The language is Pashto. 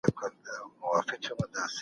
انسان وپېژنئ.